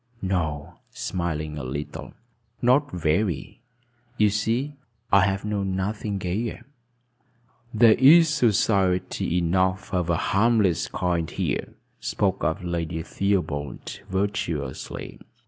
"No," smiling a little. "Not very. You see, I have known nothing gayer." "There is society enough of a harmless kind here," spoke up Lady Theobald virtuously.